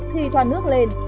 khi thoàn nước lên